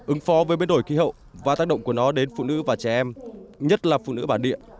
ứng phó với biến đổi khí hậu và tác động của nó đến phụ nữ và trẻ em nhất là phụ nữ bản địa